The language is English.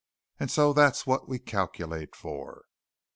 "And so that's what we calculate for."